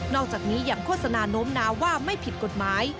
อกจากนี้อย่างโฆษณาโน้มน้าวว่าไม่ผิดกฎหมาย